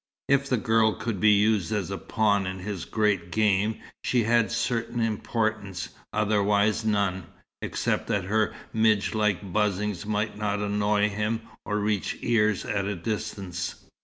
If the girl could be used as a pawn in his great game, she had a certain importance, otherwise none except that her midge like buzzings must not annoy him, or reach ears at a distance.